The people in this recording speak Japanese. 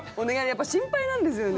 やっぱり心配なんですよね